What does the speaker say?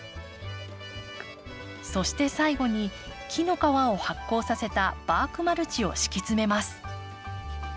そして最後に木の皮を発酵させたバークマルチを敷き詰めます。